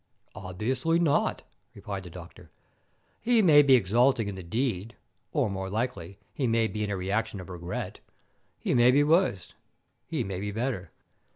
"Obviously not," replied the doctor. "He may be exulting in the deed, or, more likely, he may be in a reaction of regret. He may be worse, he may be better.